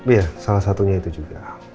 iya salah satunya itu juga